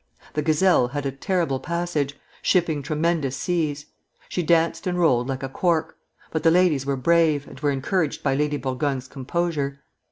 The "Gazelle" had a terrible passage, shipping tremendous seas. She danced and rolled like a cork; but the ladies were brave, and were encouraged by Lady Burgoyne's composure.